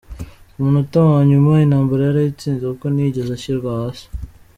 Ku munota wa nyuma, intambara yarayitsinze, kuko ntiyigeze ashyirwa hasi.